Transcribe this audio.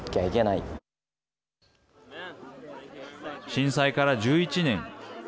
震災から１１年。